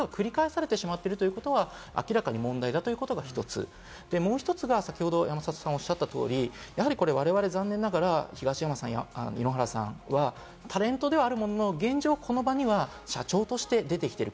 同じことが繰り返されてしまっているということが明らかに問題だということが１つ、もう１つが、先ほど山里さんがおっしゃった通り、我々、残念ながら東山さんや井ノ原さんはタレントではあるものの現状、この場には社長として出てきている。